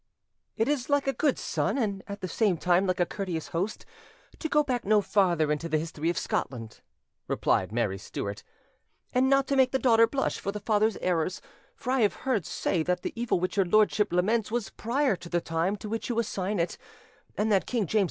"It is like a good son, and at the same time like a courteous host, to go back no farther into the history of Scotland," replied Mary Stuart, "and not to make the daughter blush for the father's errors; for I have heard say that the evil which your lordship laments was prior to the time to which you assign it, and that King James V.